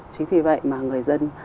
chính vì vậy mà người dân